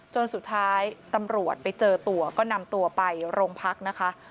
จนสุดท้ายตำรวจไปเจอตัวก็นำตัวไปโรงพักนะคะ